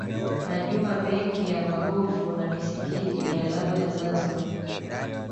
Majumba mengi ya magofu na misikiti ni alama ya Zanzibar